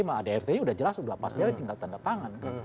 adi art sudah jelas sudah pasti ada tingkat tanda tangan